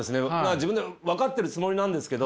自分でも分かってるつもりなんですけど。